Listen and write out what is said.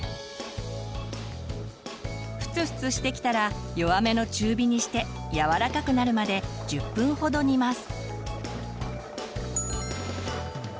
ふつふつしてきたら弱めの中火にして柔らかくなるまで１０分ほど煮ます。